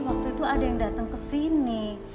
waktu itu ada yang datang kesini